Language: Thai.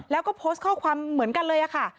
แล้วก็โพสต์ข้อความเหมือนกันเลยค่ะ